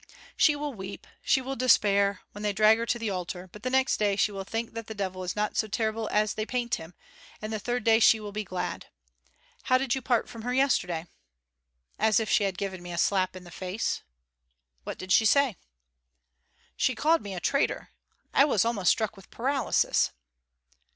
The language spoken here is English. She will weep, she will despair, when they drag her to the altar; but next day she will think that the devil is not so terrible as they paint him, and the third day she will be glad. How did you part from her yesterday?" "As if she had given me a slap in the face." "What did she say?" "She called me a traitor. I was almost struck with paralysis."